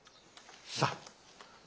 さあ。